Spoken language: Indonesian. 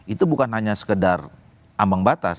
itu bukan hanya sekedar ambang batas